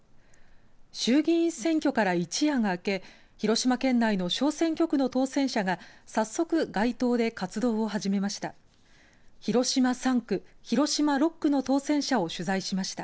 衆議院選挙から一夜が明け広島県内の小選挙区の当選者が早速、街頭で活動を始めました。